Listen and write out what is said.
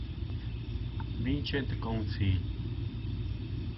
Vincent Council